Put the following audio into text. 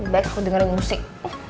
baik aku dengerin musik